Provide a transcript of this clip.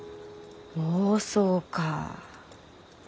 妄想か。